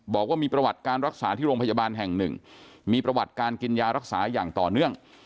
บอกว่ามีประวัติการรักษาที่โรงพยาบาลแห่งหนึ่งมีประวัติการกินยารักษาอย่างต่อเนื่อง